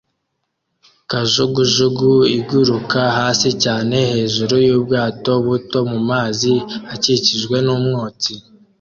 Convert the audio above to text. Kajugujugu iguruka hasi cyane hejuru yubwato buto mumazi akikijwe numwotsi